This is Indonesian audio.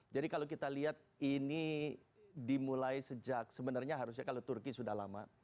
jadi kalau kita lihat ini dimulai sejak sebenarnya harusnya kalau turki sudah lama